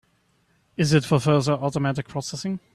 Is it for further automatic processing?